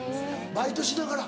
バイトしながら？